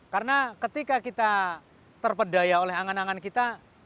karena ketika kita terpedaya oleh angan angan kita